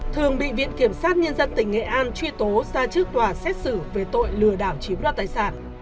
thường bị viện kiểm sát nhân dân tỉnh nghệ an truy tố ra trước tòa xét xử về tội lừa đảo chiếm đoạt tài sản